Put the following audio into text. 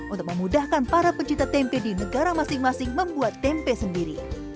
untuk memudahkan para pencipta tempe di negara masing masing membuat tempe sendiri